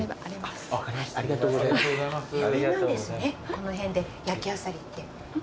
この辺で焼きあさりって。